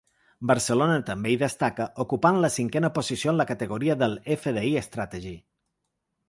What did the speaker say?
Barcelona també hi destaca ocupant la cinquena posició en la categoria de “fDi Strategy”.